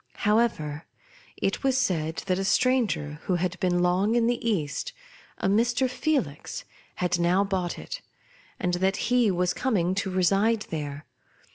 However, it was said that a stranger, who had been long in the East, a Mr. Felix, had now bought it, and that he was coming to reside there.